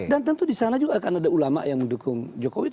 dan tentu di sana juga akan ada ulama yang mendukung jokowi